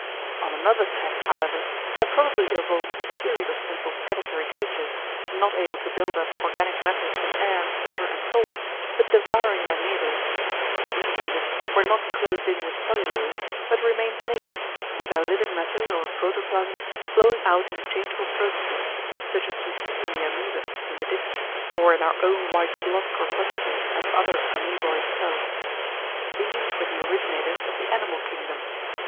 On another tack, however, there probably evolved a series of simple predatory creatures, not able to build up organic matter from air, water, and salts, but devouring their neighbours. These units were not closed in with cellulose, but remained naked, with their living matter or protoplasm flowing out in changeful processes, such as we see in the Amoebæ in the ditch or in our own white blood corpuscles and other amoeboid cells. These were the originators of the animal kingdom.